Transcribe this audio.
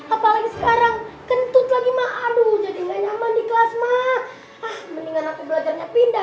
apalagi sekarang kentut lagi mak aduh jadi nggak nyaman di kelas mak ah mendingan aku belajarnya pindah